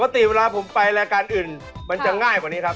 ปกติเวลาผมไปรายการอื่นมันจะง่ายกว่านี้ครับ